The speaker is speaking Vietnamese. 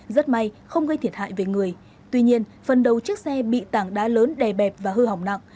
rất may không gây thiệt hại về người tuy nhiên phần đầu chiếc xe bị tảng đá lớn đè bẹp và hư hỏng nặng